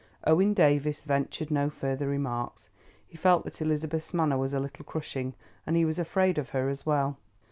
Owen Davies ventured no further remarks. He felt that Elizabeth's manner was a little crushing, and he was afraid of her as well.